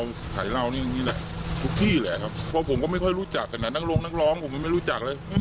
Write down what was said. ส่วนชาวบ้านที่อยู่ในระแวกพื้นที่นะครับบอกว่าเมื่อคืนนี้ก็ได้ยินเสียงดังอะไรโวยวายบ้างครับ